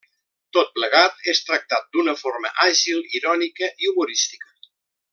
Tot plegat és tractat d'una forma àgil, irònica i humorística.